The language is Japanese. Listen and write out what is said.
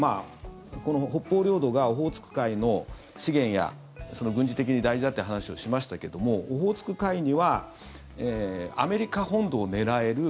この北方領土がオホーツク海の資源や軍事的に大事だという話をしましたがオホーツク海にはアメリカ本土を狙える